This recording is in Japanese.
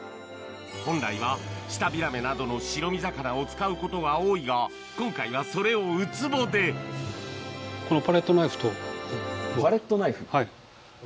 本来は舌平目などの白身魚を使うことが多いが今回はそれをウツボではぁ。